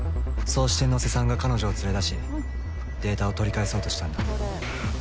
そうして野瀬さんが彼女を連れ出しデータを取り返そうとしたんだ。